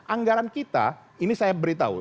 anggaran kita ini saya beritahu